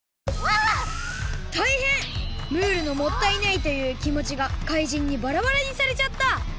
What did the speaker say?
ムールの「もったいない」というきもちがかいじんにバラバラにされちゃった！